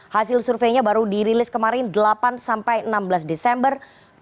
hasil surveinya baru dirilis kemarin delapan sampai enam belas desember dua ribu dua puluh